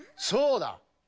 そうだ！